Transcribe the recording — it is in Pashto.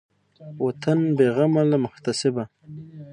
وطن بېغمه له محتسبه